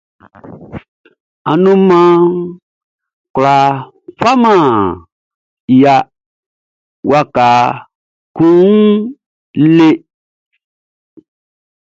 Anumanʼn kwlá faman ya waka kun wun le.